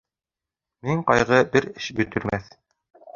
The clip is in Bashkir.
Мең ҡайғы бер эш бөтөрмәҫ.